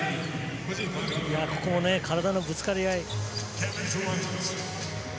ここも体のぶつかり合い。